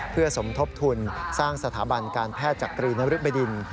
เพื่อสมทบทุนสร้างสถาบันการแพทย์จักรีนริบดิน